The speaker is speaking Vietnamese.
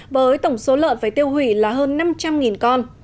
với tổng số lợn phải tiêu hủy là hơn năm trăm linh con